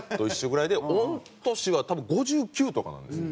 御年は多分５９とかなんですよ。